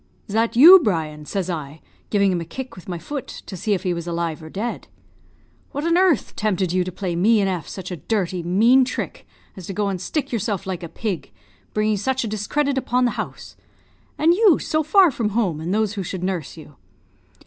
'Is that you, Brian?' says I, giving him a kick with my foot, to see if he was alive or dead. 'What on earth tempted you to play me and F such a dirty, mean trick, as to go and stick yourself like a pig, bringing such a discredit upon the house? and you so far from home and those who should nurse you?'